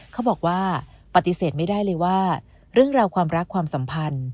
เขาบอกว่าปฏิเสธไม่ได้เลยว่าเรื่องราวความรักความสัมพันธ์